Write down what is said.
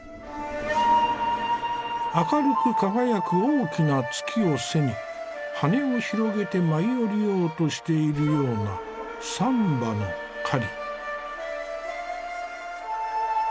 明るく輝く大きな月を背に羽を広げて舞い降りようとしているような３羽の雁。